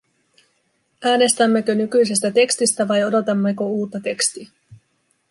Äänestämmekö nykyisestä tekstistä vai odotammeko uutta tekstiä?